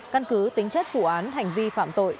căn cứ tính chất vụ án hành vi phạm tội